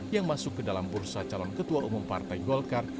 yang masuk ke dalam bursa calon ketua umum partai golkar